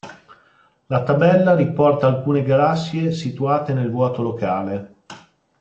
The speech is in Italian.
La tabella riporta alcune galassie situate nel Vuoto Locale.